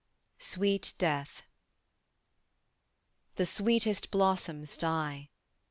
SWEET DEATH. The sweetest blossoms die.